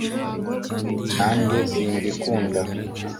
nanjye simbikunda.